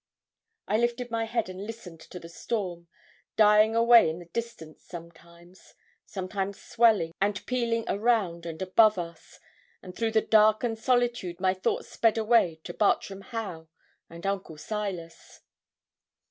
I lifted my head and listened to the storm, dying away in the distance sometimes sometimes swelling and pealing around and above us and through the dark and solitude my thoughts sped away to Bartram Haugh and Uncle Silas.